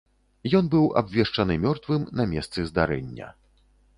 Ён быў абвешчаны мёртвым на месцы здарэння.